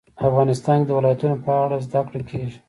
افغانستان کې د ولایتونو په اړه زده کړه کېږي.